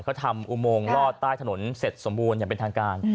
เขาทำอุโมงลอดใต้ถนนเสร็จสมบูรณ์อย่างเป็นทางการ